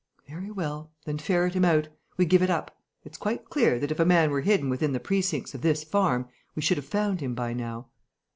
"Very well. Then ferret him out. We give it up. It's quite clear, that if a man were hidden within the precincts of this farm, we should have found him by now."